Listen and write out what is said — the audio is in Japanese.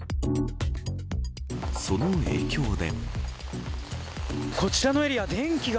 その影響で。